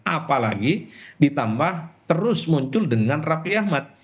apalagi ditambah terus muncul dengan raffi ahmad